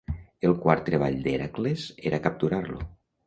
El quart treball d'Hèracles era capturar-lo.